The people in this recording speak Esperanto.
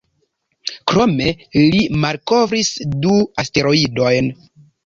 Krome li malkovris du asteroidojn.